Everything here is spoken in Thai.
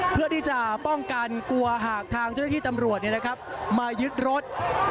เพื่อที่จะป้องกันกลัวหากทางเจ้าหน้าที่ตำรวจมายึดรถ